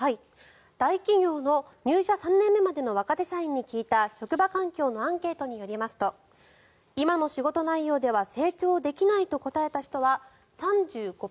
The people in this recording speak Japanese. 大企業の入社３年目までの若手社員に聞いた職場環境のアンケートによりますと今の仕事内容では成長できないと答えた人は３５％。